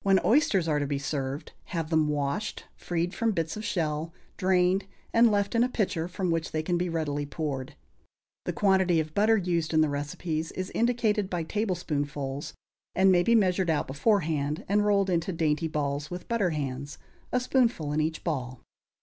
When oysters are to be served, have them washed, freed from bits of shell, drained, and left in a pitcher from which they can be readily poured. The quantity of butter used in the recipes is indicated by tablespoonfuls, and may be measured out beforehand and rolled into dainty balls with butter hands, a spoonful in each ball.